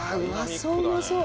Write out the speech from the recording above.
そううまそう。